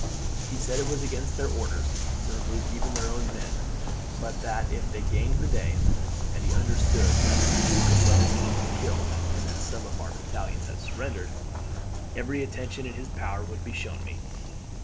He said it was against their orders to remove even their own men; but that if they gained the day (and he understood that the Duke of Wellington was killed, and that some of our battalions had surrendered), every attention in his power would be shown me.